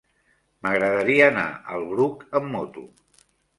M'agradaria anar al Bruc amb moto.